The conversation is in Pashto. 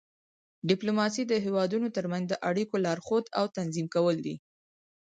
ډیپلوماسي د هیوادونو ترمنځ د اړیکو لارښود او تنظیم کول دي